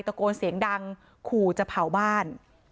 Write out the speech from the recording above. ตะโกนเสียงดังขู่จะเผาบ้าน